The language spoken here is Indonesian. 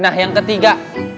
nah yang ketiga